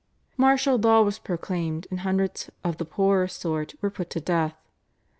Martial law was proclaimed and hundreds "of the poorer sort" were put to death.